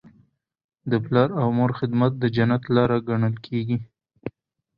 د پلار او مور خدمت د جنت لاره ګڼل کیږي.